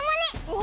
お！